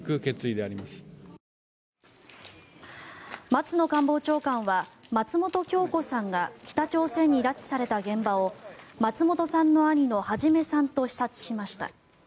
松野官房長官は松本京子さんが北朝鮮に拉致された現場を松本さんの兄の孟さんと視察しました。